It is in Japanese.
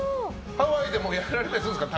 ハワイでもやられたりしますか？